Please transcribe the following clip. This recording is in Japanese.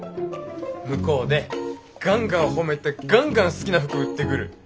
向こうでガンガン褒めてガンガン好きな服売ってくる。